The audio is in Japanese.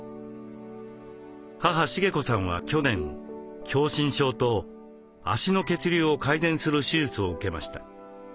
母・茂子さんは去年狭心症と脚の血流を改善する手術を受けました。